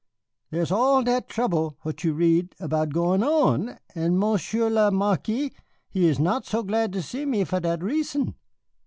There is all dat trouble what you read about going on, and Monsieur le Marquis he not so glad to see me for dat risson.